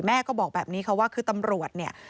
แม่ก็บอกแบบนี้ค่ะว่าคือตำรวจเนี่ย